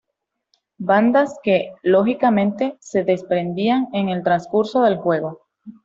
Bandas que, lógicamente, se desprendían en el transcurso del juego.